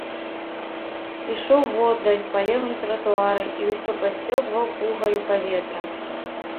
Ішоў воддаль, па левым тратуары і ўсё пасцёбваў пугаю паветра.